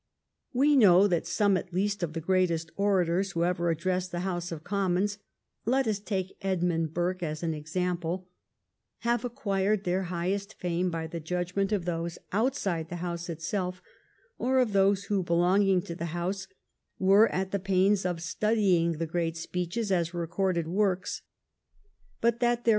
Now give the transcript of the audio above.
We know that some at least of the greatest orators who ever addressed the House of Commons — let us take Edmund Burke as an example — have acquired their highest fame by the judgment of those outside the House itself, or of those who, belonging to the House, were at the pains of studying the great speeches as recorded works, but that their 64 THE KEIGN OF QUEEN ANNE. ch. xxiv.